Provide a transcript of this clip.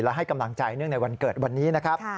และให้กำลังใจเนื่องในวันเกิดวันนี้นะครับ